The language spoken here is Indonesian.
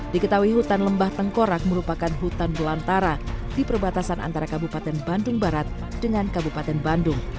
diketahui hutan lembah tengkorak merupakan hutan belantara di perbatasan antara kabupaten bandung barat dengan kabupaten bandung